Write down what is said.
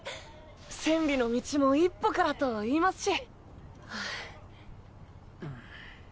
千里の道も一歩からと言いますし。